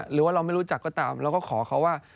หรือว่าเราไม่รู้จักก็ตามเราก็ขอเขาว่า